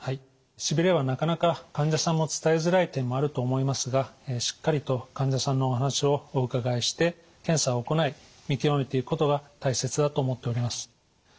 しびれはなかなか患者さんも伝えづらい点もあると思いますがしっかりと患者さんのお話をお伺いして検査を行い見極めていくことが大切だと思っております。